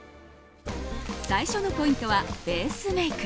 最初のポイントはベースメイク。